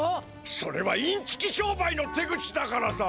それはインチキ商売の手口だからさ。